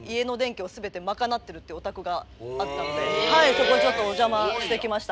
そこちょっとお邪魔してきました。